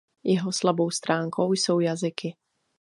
Jeho slabou stránkou jsou jazyky.